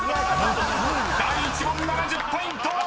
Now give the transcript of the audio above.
［第１問７０ポイント！］